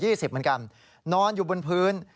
เหมือนกันนอนอยู่บนพื้น